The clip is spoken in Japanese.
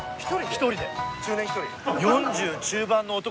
１人で。